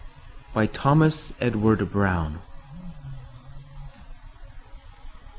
Thomas Edward Brown.